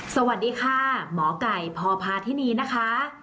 สวัสดีค่ะหมอไก่พพาธินีนะคะ